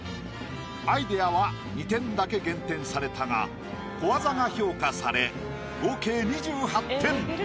アイデアは２点だけ減点されたが小技が評価され合計２８点。